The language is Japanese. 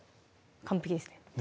完璧ですね